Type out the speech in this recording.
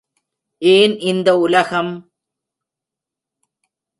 ஏன் இந்த உலகம்.........?......?